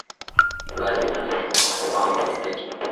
kazi tunaowatuma ni kwamba watuletee maendeleo